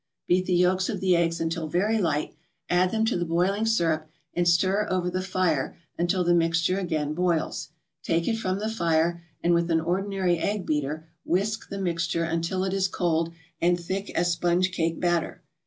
Beat the yolks of the eggs until very light, add them to the boiling syrup, and stir over the fire until the mixture again boils; take it from the fire, and with an ordinary egg beater, whisk the mixture until it is cold and thick as sponge cake batter.